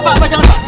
bapak jangan lupa